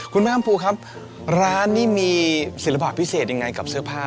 คุณแม่อำพูครับร้านนี้มีศิลปะพิเศษยังไงกับเสื้อผ้า